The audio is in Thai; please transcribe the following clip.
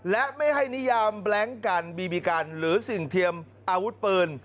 และไม่ให้นิยามแบล็งกันบีบีกันหรือสิ่งเทียมอาวุธปืน